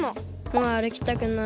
もうあるきたくない。